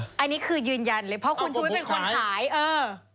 อันนี้คือยืนยันเลยเพราะคุณชุวิตเป็นคนขายเออ